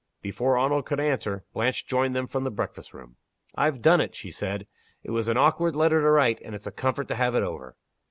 Before Arnold could answer, Blanche joined them from the breakfast room. "I've done it," she said. "It was an awkward letter to write and it's a comfort to have it over."